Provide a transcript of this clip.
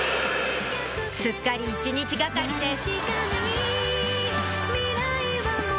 すっかり一日がかりです